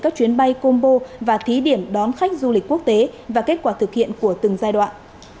các chuyến bay combo và thí điểm đón khách du lịch quốc tế và kết quả thực hiện của từng giai đoạn